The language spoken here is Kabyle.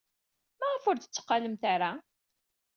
Maɣef ur d-tetteqqalemt ara?